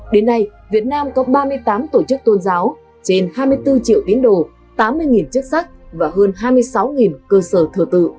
đến nay việt nam có ba mươi tám tổ chức tôn giáo trên hai mươi bốn triệu tín đồ tám mươi chức sắc và hơn hai mươi sáu cơ sở thờ tự